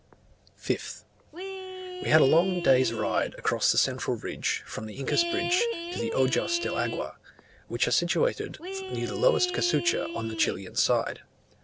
5th. We had a long day's ride across the central ridge, from the Incas Bridge to the Ojos del Agua, which are situated near the lowest casucha on the Chilian side.